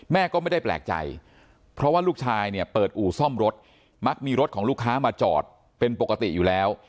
แม่ก็ไม่ได้แปลกใจเพราะว่าลูกชายเนี่ยเปิดอู่ซ่อมรถมักมีรถของลูกค้ามาจอดเป็นปกติอยู่แล้ว